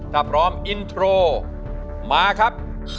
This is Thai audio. ถ้าพร้อมอินโทรมาครับ